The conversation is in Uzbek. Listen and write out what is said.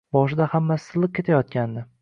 Boshida hammasi silliq ketayotgandi